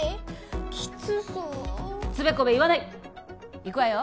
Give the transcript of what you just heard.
キツそうつべこべ言わないいくわよ